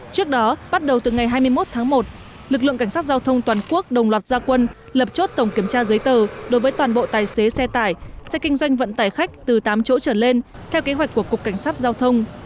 trước đó bắt đầu từ ngày hai mươi một tháng một lực lượng cảnh sát giao thông toàn quốc đồng loạt gia quân lập chốt tổng kiểm tra giấy tờ đối với toàn bộ tài xế xe tải xe kinh doanh vận tải khách từ tám chỗ trở lên theo kế hoạch của cục cảnh sát giao thông